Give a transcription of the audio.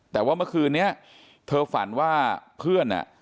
แต่ว่าเมื่อคืนนี้เธอฝันว่าเพื่อนอ่ะ